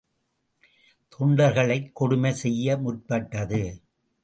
தொண்டர்களைக் கொடுமை செய்ய முற்பட்டது.